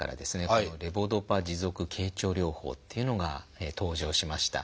このレボドパ持続経腸療法っていうのが登場しました。